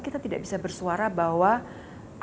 kita tidak bisa bersuara bahwa asean kita tidak mau gagal